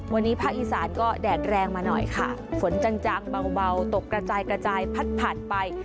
วันนี้ภาคอีสานก็แดดแรงมาหน่อยค่ะฝนจังเบาตกกระจายกระจายพัดผ่านไป